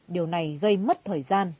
điều này gây mất thời gian